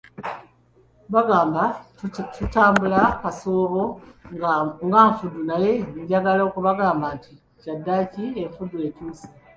Bagamba tutambula kasoobo nga nfudu, naye njagala okubagamba nti kyaddaaki enfudu etuuse.